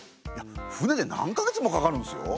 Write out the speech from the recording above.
船で何か月もかかるんすよ。